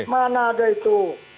mana ada itu